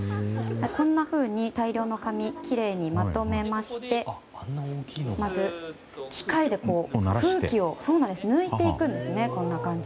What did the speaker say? こんなふうに大量の紙をきれいにまとめましてまず、機械で空気を抜いていくんですね。